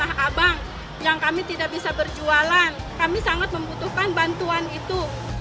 tanah abang yang kami tidak bisa berjualan kami sangat membutuhkan bantuan itu